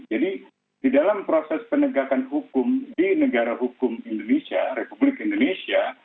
jadi di dalam proses penegakan hukum di negara hukum indonesia republik indonesia